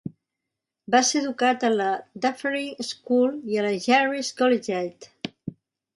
Va ser educat a la Dufferin School i a la Jarvis Collegiate.